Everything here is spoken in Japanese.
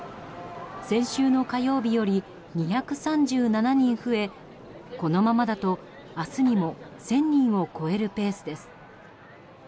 先週の火曜日より２３７人増えこのままだと明日にも１０００人を超えるペースです。